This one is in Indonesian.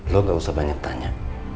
lo gak usah banyak tanya